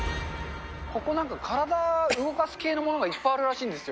ここ、なんか体動かす系のものがいっぱいあるらしいんですよ。